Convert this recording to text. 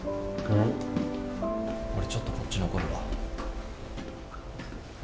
俺ちょっとこっち残るわ。